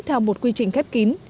theo một quy trình khép kín